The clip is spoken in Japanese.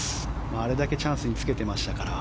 あれだけチャンスにつけてましたから。